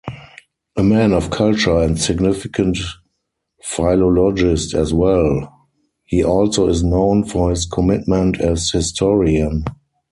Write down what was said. A man of culture and significant philologist as well, he also is known for his commitment as historian.